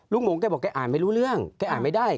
หมงแกบอกแกอ่านไม่รู้เรื่องแกอ่านไม่ได้